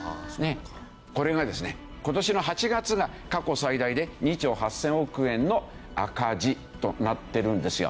これがですね今年の８月が過去最大で２兆８０００億円の赤字となってるんですよ。